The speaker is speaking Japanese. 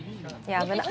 危ない。